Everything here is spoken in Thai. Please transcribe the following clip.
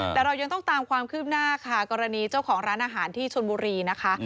แต่เรายังต้องตามความคืบหน้าค่ะกรณีเจ้าของร้านอาหารที่ชนบุรีนะคะ